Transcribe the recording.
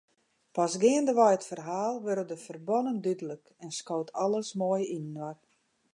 Pas geandewei it ferhaal wurde de ferbannen dúdlik en skoot alles moai yninoar.